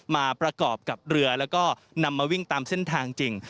มาประกอบกับเรือแล้วก็นำมาวิ่งตามเส้นทางจริง